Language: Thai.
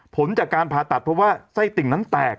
ผลจากการผ่าตัดเพราะว่าไส้ติ่งนั้นแตก